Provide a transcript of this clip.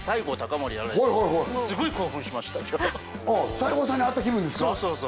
西郷さんに会った気分ですか？